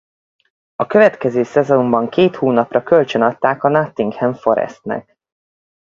A következő szezonban két hónapra kölcsönadták a Nottingham Forestnek.